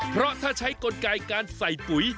เพราะถ้าใช้กลไกการใส่ปุ๋ย